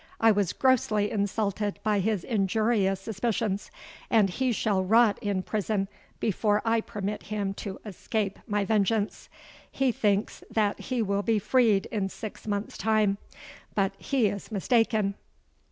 I was grossly insulted by his injurious suspicions; and he shall rot in prison before I permit him to escape my vengeance. He thinks that he will be freed in six months' time; but he is mistaken.'